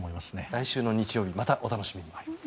来週の日曜日またお楽しみに。